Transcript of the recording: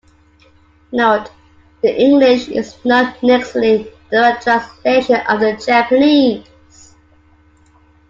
Note: The English is not necessarily a direct translation of the Japanese.